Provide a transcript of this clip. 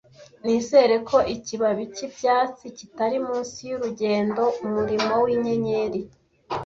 Nizera ko ikibabi cyibyatsi kitari munsi yurugendo-umurimo winyenyeri,